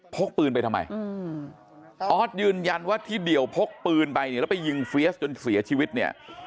กปืนไปทำไมออสยืนยันว่าที่เดี่ยวพกปืนไปเนี่ยแล้วไปยิงเฟียสจนเสียชีวิตเนี่ย